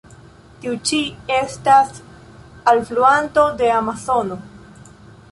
Tiu ĉi estas alfluanto de Amazono.